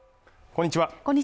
こんにちは